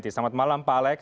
selamat malam pak alex